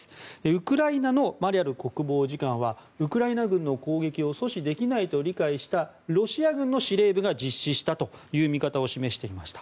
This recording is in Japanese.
ウクライナのマリャル国防次官はウクライナ軍の攻撃を阻止できないと理解したロシア軍の司令部が実施したという見方を示していました。